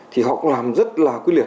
thì họ cũng làm rất là quy liệt